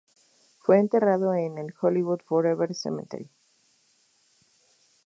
Fue enterrado en el Hollywood Forever Cemetery.